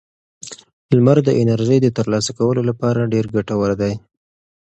لمر د انرژۍ د ترلاسه کولو لپاره ډېر ګټور دی.